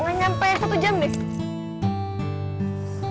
mau nyampe satu jam deh